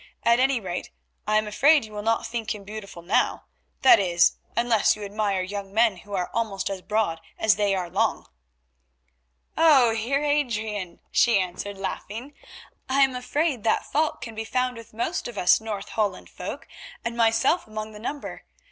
At any rate, I am afraid you will not think him beautiful now—that is, unless you admire young men who are almost as broad as they are long." "Oh! Heer Adrian," she answered, laughing, "I am afraid that fault can be found with most of us North Holland folk, and myself among the number.